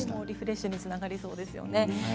リフレッシュにつながりそうですね。